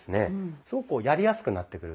すごくやりやすくなってくる。